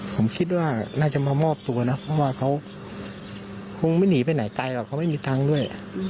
ผมคิดว่าน่าจะมามอบตัวนะเพราะว่าเขาคงไม่หนีไปไหนไกลหรอกเขาไม่มีทางด้วย